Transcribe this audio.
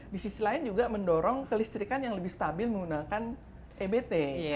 di sisi lain juga mendorong kelistrikan yang lebih stabil menggunakan ebt